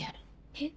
えっ？